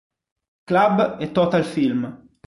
Club e Total Film.